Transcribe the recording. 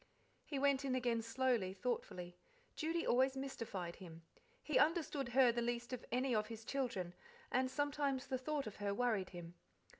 He went in again slowly, thoughtfully. Judy always mystified him. He understood her the least of any of his children, and sometimes the thought of her worried him.